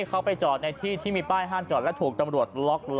เขาไปจอดในที่ที่มีป้ายห้ามจอดและถูกตำรวจล็อกล้อ